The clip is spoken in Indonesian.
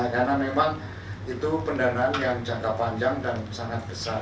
karena memang itu pendanaan yang jangka panjang dan sangat besar